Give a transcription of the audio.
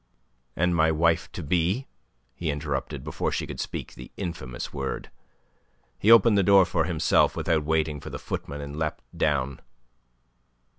"And my wife to be," he interrupted, before she could speak the infamous word. He opened the door for himself without waiting for the footman, and leapt down.